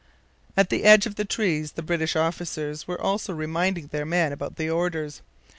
At the edge of the trees the British officers were also reminding their men about the orders.